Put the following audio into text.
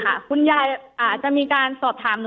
แต่คุณยายจะขอย้ายโรงเรียน